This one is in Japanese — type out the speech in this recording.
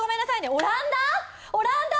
オランダ？